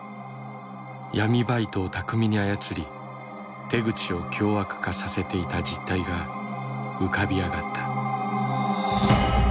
闇バイトを巧みに操り手口を凶悪化させていた実態が浮かび上がった。